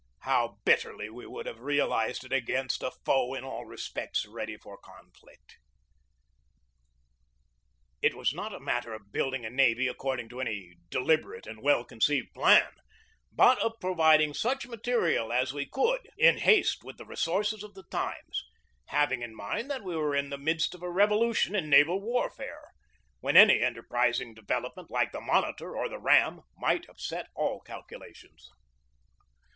How bitterly we would have realized it against a foe ready in all respects for conflict! It was not a matter of building a navy according to any deliberate and well conceived plan, but of providing such material as we could in haste ADMIRAL DAVID G. FARRAGUT BEGINNING OF THE CIVIL WAR 57 with the resources of the times, having in mind that we were in the midst of a revolution in naval war fare, when any enterprising development like the Monitor or the ram might upset all calculations.